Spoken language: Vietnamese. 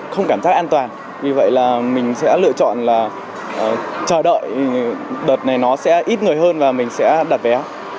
không cảm giác an toàn vì vậy là mình sẽ lựa chọn là chờ đợi đợt này nó sẽ ít người hơn và mình sẽ đặt vé